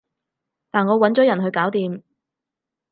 但我搵咗人去搞掂